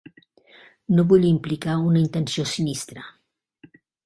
No vull implicar una intenció sinistra.